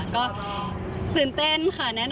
ก็ตื่นเต้นค่ะแน่นอน